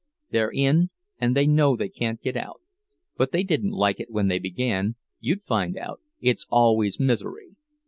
They're in, and they know they can't get out. But they didn't like it when they began—you'd find out—it's always misery!